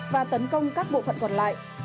và tấn công các bộ phận còn lại